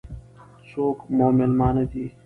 څوک مو مېلمانه دي؟